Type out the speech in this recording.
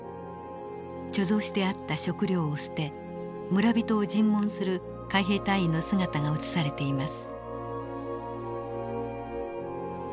貯蔵してあった食糧を捨て村人を尋問する海兵隊員の姿が映されています。